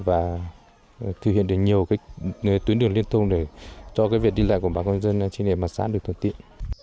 và thực hiện được nhiều cái tuyến đường liên thôn để cho cái việc đi lại của bà con nhân dân trên đề mặt sát được thuận tiện